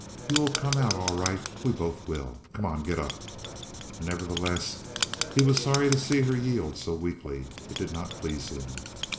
You will come out all right. We both will. Come, get up." Nevertheless, he was sorry to see her yield so weakly. It did not please him.